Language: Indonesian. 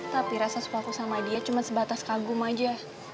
tapi rasa sukaku sama dia cuma sebatas kagum aja